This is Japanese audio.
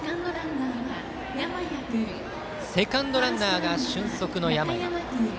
セカンドランナーが俊足の山家。